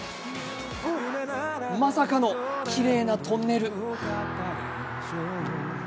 まさかのきれいなトンネル。